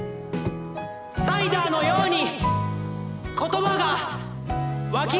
サイダーのように言葉が湧き上がる！